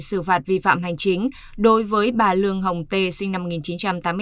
xử phạt vi phạm hành chính đối với bà lương hồng tê sinh năm một nghìn chín trăm tám mươi bốn